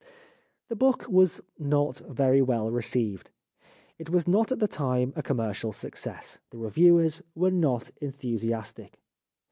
The book was not very well received. It was not at the time a commercial success. The reviewers were not enthusiastic.